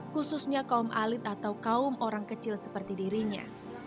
khususnya kaum alit atau kaum orang kecil seperti dirinya